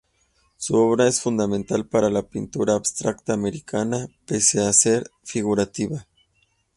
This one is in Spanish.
Su obra es fundamental para la pintura abstracta americana pese a ser figurativa.